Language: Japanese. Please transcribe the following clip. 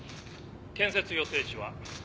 建設予定地は。